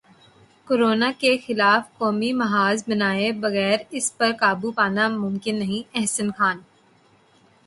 corona کے خلاف قومی محاذ بنائے بغیر اس پر قابو پانا ممکن نہیں احسن خان